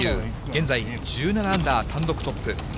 現在、１７アンダー単独トップ。